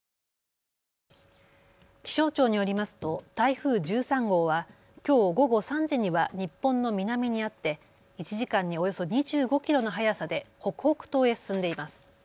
気象庁によりますと台風１３号はきょう午後３時には日本の南にあって１時間におよそ２５キロの速さで北北東へ進んでいます。